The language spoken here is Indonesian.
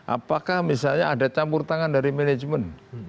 apakah misalnya ada campur tangan dari manajemen